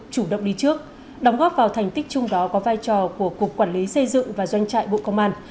chủ động đi trước đóng góp vào thành tích chung đó có vai trò của cục quản lý xây dựng và doanh trại bộ công an